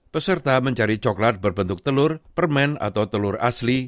peserta mencari coklat berbentuk telur permen atau telur asli